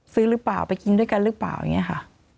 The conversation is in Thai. ซื้อหรือเปล่าไปกินด้วยกันหรือเปล่าอย่างนี้ค่ะ